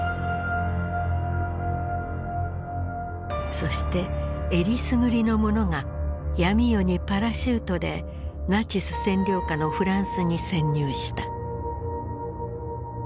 そしてえりすぐりの者が闇夜にパラシュートでナチス占領下のフランスに潜入した。